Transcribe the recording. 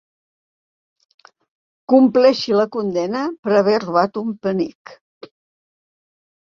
Compleixi la condemna per haver robat un penic.